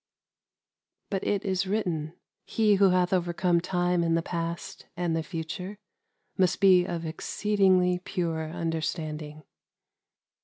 But it is v/ritten: —^ He who hath overcome Time in the past and the future must he of exceedingly pure under standing.